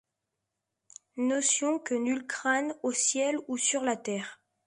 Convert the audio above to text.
Notion que nul crâne, au ciel ou sur la terre